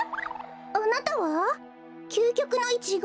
あなたはきゅうきょくのイチゴ？